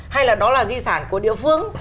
hay là đó là di sản của địa phương